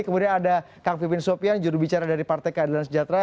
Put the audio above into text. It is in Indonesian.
kemudian ada kang pipin sofian juru bicara dari partai keadilan sejahtera